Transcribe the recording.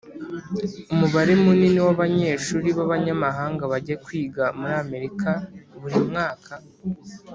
umubare munini w'abanyeshuri b'abanyamahanga bajya kwiga muri amerika buri mwaka